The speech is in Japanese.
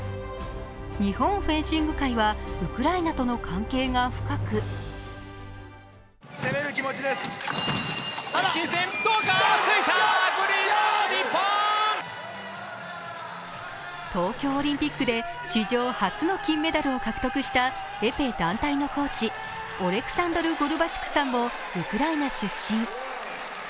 日本フェンシング界はウクライナとの関係が深く東京オリンピックで史上初の金メダルを獲得したエペ団体のコーチ、オレクサンドル・ゴルバチュクさんもウクライナ出身。